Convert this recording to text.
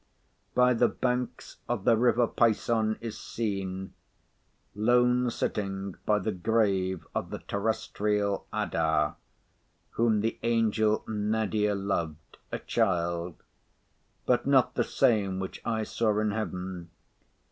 By the banks of the river Pison is seen, lone sitting by the grave of the terrestrial Adah, whom the angel Nadir loved, a Child; but not the same which I saw in heaven.